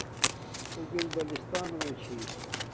اݸ گلگت بلتستݳنَنݸ چھݵس.